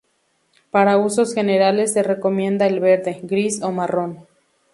Para usos generales se recomienda el verde, gris o marrón.